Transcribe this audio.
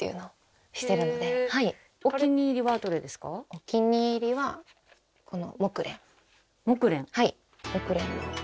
お気に入りはこの。